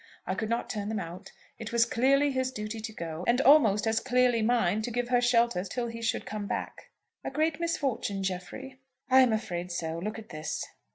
I could not turn them out. It was clearly his duty to go, and almost as clearly mine to give her shelter till he should come back." "A great misfortune, Jeffrey?" "I am afraid so. Look at this."